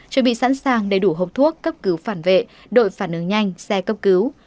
chuẩn bị sẵn sàng đầy đủ hộp thuốc cấp cứu phản vệ đội phản ứng nhanh xe cấp cứu